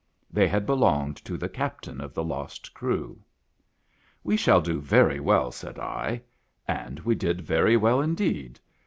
They had belonged to the captain of the lost crew. " We shall do very well," said I. And we did very well indeed.